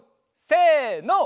せの！